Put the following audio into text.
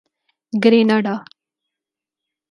Grenada